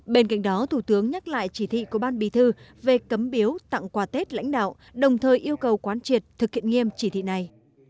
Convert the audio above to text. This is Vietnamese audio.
bên cạnh đó thủ tướng nhắc lại chỉ thị của ban bì thư về cấm biếu tặng quà tết lãnh đạo đồng thời yêu cầu quán triệt thực hiện nghiêm chỉ thị này